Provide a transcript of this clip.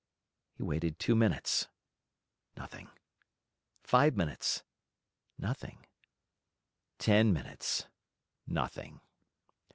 He waited two minutes nothing; five minutes nothing; ten minutes nothing.